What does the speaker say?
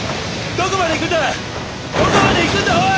どこまで行くんだおい！